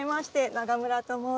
永村と申します。